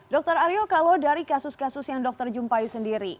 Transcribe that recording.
dr aryo kalau dari kasus kasus yang dokter jumpai sendiri